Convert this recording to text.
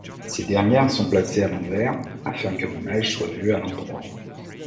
Ces dernières sont placées à l'envers afin que l'image soit vue à l'endroit.